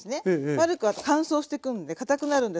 悪くは乾燥してくるんでかたくなるんです。